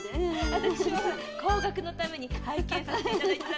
私も後学のために拝見させていただいてたんです。